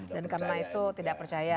dan karena itu tidak percaya